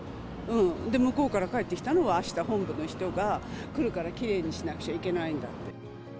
で、向こうから返ってきたのが、あした本部の人が来るから、きれいにしなくちゃいけないんだって。